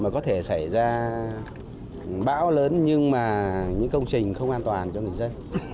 mà có thể xảy ra bão lớn nhưng mà những công trình không an toàn cho người dân